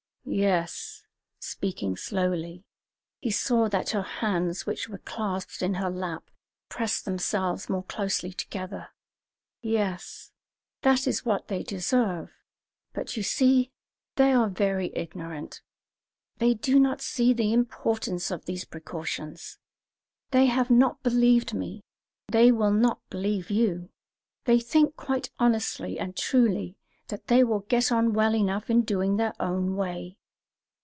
"Yes," speaking slowly. He saw that her hands, which were clasped in her lap, pressed themselves more closely together "yes, that is what they deserve; but, you see, they are very ignorant. They do not see the importance of these precautions; they have not believed me; they will not believe you. They think quite honestly and truly that they will get on well enough in doing their own way."